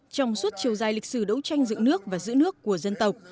trong suốt chiều dài lịch sử đấu tranh dựng nước và giữ nước của dân tộc